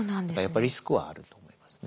やっぱりリスクはあると思いますね。